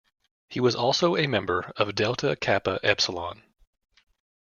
He was also a member of Delta Kappa Epsilon.